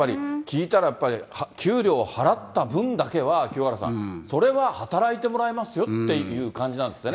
だからやっぱり、聞いたら給料払った分だけは、清原さん、それは働いてもらいますよっていう感じなんですってね。